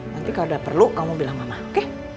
nanti kalau udah perlu kamu bilang mama oke